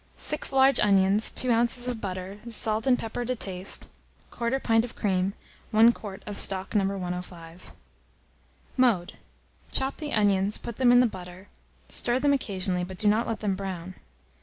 6 large onions, 2 oz. of butter, salt and pepper to taste, 1/4 pint of cream, 1 quart of stock No. 105. Mode. Chop the onions, put them in the butter, stir them occasionally, but do not let them brown.